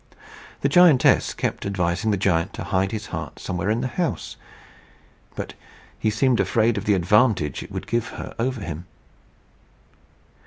The giantess kept advising the giant to hide his heart somewhere in the house; but he seemed afraid of the advantage it would give her over him.